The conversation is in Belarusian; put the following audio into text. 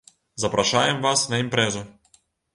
Запрашаем вас на імпрэзу.